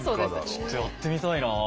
ちょっとやってみたいなあ。